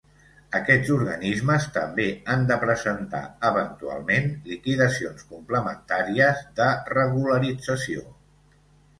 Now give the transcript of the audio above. Aquests organismes també han de presentar, eventualment, liquidacions complementàries de regularització.